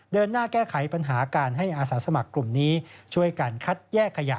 เดินหน้าแก้ไขปัญหาการให้อาสาสมัครกลุ่มนี้ช่วยกันคัดแยกขยะ